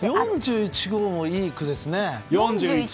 ４１号もいい句ですよね。